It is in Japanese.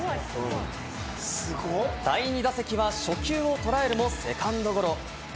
第２打席は初球をとらえるもセカンドゴロ。